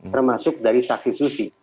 termasuk dari saksi susi